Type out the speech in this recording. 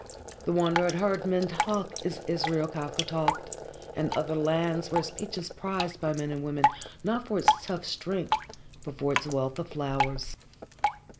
The Wanderer had heard men talk as Israel Kafka talked, in other lands, where speech is prized by men and women not for its tough strength but for its wealth of flowers.